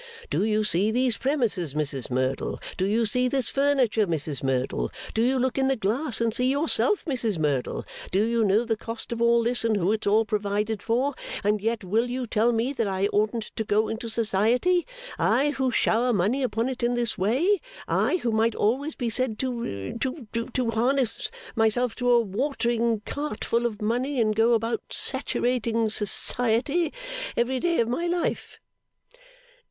Do you see these premises, Mrs Merdle? Do you see this furniture, Mrs Merdle? Do you look in the glass and see yourself, Mrs Merdle? Do you know the cost of all this, and who it's all provided for? And yet will you tell me that I oughtn't to go into Society? I, who shower money upon it in this way? I, who might always be said to to to harness myself to a watering cart full of money, and go about saturating Society every day of my life.